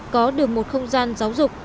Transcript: có được một không gian giáo dục